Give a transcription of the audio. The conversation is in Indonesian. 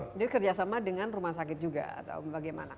jadi kerjasama dengan rumah sakit juga atau bagaimana